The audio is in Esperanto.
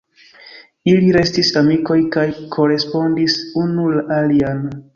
Ili restis amikoj kaj korespondis unu la alian.